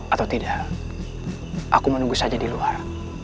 atau tidak aku menunggu saja di luar